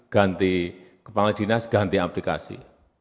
ganti kepala dinas ganti aplikasi